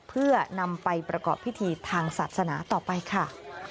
เพื่อนำไปประกอบพิธีทางศาสนาต่อไปค่ะ